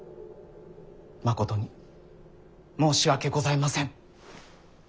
まことに申し訳ございません。